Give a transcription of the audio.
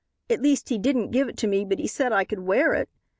At least he didn't give it to me but he said I could wear it.